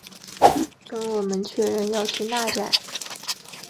跟我们确认要去那站